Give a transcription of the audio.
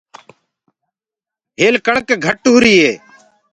هيل ڪڻڪ گھٽ هوُري هي۔